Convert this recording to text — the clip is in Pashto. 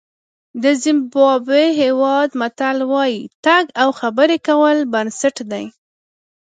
د زیمبابوې هېواد متل وایي تګ او خبرې کول بنسټ دی.